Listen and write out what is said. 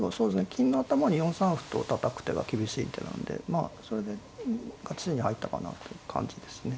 金の頭に４三歩とたたく手が厳しい手なんでまあそれで勝ち筋に入ったかなという感じですね。